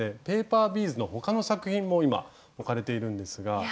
ペーパービーズの他の作品も今置かれているんですが。